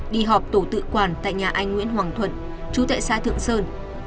đi họp tổ tự quản tại nhà anh nguyễn hoàng thuận chú tại xã thượng sơn